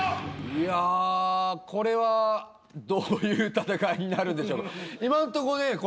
いやこれはどういう戦いになるんでしょうか今んとこね